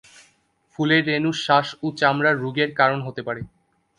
ফুলের রেণু শ্বাস ও চামড়ার রোগের কারণ হতে পারে।